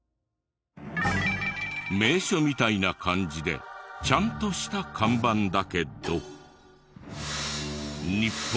名所みたいな感じでちゃんとした看板だけど日本一急なの？